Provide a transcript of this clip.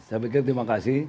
saya pikir terima kasih